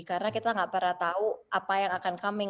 karena kita gak pernah tahu apa yang akan berlaku